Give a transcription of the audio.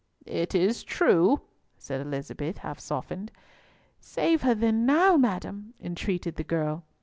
"It is true," said Elizabeth, half softened. "Save her then now, madam," entreated the girl.